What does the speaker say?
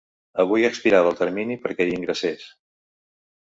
Avui expirava el termini perquè hi ingressés.